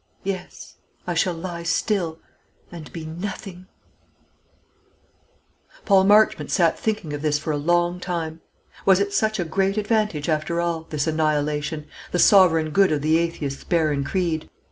Yes; I shall lie still and be nothing." Paul Marchmont sat thinking of this for a long time. Was it such a great advantage, after all, this annihilation, the sovereign good of the atheist's barren creed?